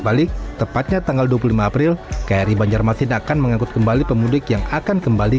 balik tepatnya tanggal dua puluh lima april kri banjarmasin akan mengangkut kembali pemudik yang akan kembali